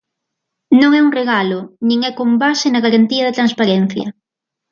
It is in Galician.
Non é un regalo nin é con base na garantía de transparencia.